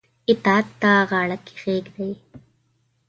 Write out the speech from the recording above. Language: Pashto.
اطاعت ته غاړه کښيږدي.